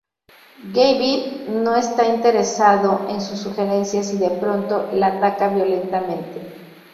Gavin no está interesado en sus sugerencias y de pronto la ataca violentamente.